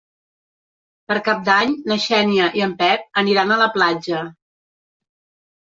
Per Cap d'Any na Xènia i en Pep aniran a la platja.